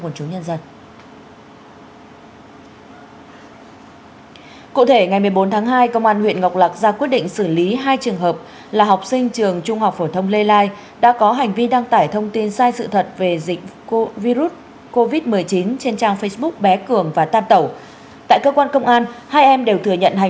tôi đã tìm hiểu về cách thực hiện giấy trắng trong sản phẩm và như các bạn biết tôi đã giải quyết các học sinh sản phẩm thứ chín sản phẩm thứ một sản phẩm thứ hai